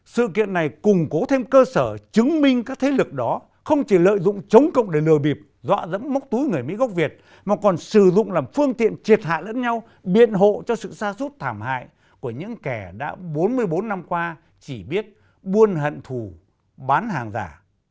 sự kiện này củng cố thêm cơ sở chứng minh các thế lực đó không chỉ lợi dụng chống cộng để lừa bịp dọa dẫm mốc túi người mỹ gốc việt mà còn sử dụng làm phương tiện triệt hạ lẫn nhau biện hộ cho sự xa suốt thảm hại của những kẻ đã bốn mươi bốn năm qua chỉ biết buôn hận thù bán hàng giả